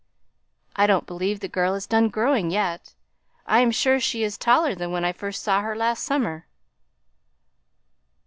I don't believe the girl has done growing yet; I'm sure she's taller than when I first saw her last summer."